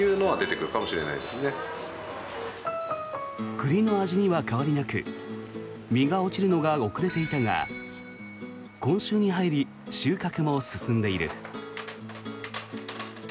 栗の味には変わりなく実が落ちるのが遅れていたが今週に入り収穫も進んでいる。